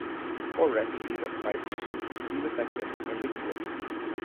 "For recipes of spice mixes see the section in Wikibooks"